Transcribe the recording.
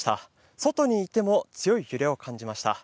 外にいても強い揺れを感じました。